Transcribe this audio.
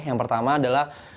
yang pertama adalah